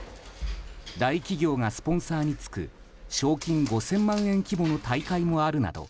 大企業がスポンサーにつく賞金５０００万円規模の大会もあるなど